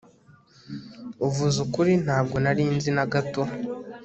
uvuze ukuri ntabwo nari nzi na gato